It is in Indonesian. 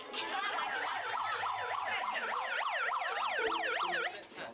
gak apa apa jangan